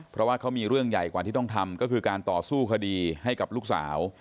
เพราะว่าเขามีเรื่องใหญ่กว่าที่ต้องทำก็คือการต่อสู้คดีให้กับลูกสาว